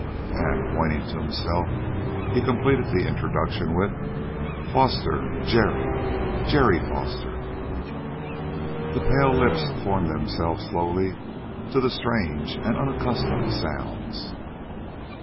And, pointing to himself, he completed the introduction with: "Foster, Jerry Jerry Foster!" The pale lips formed themselves slowly to the strange and unaccustomed sounds.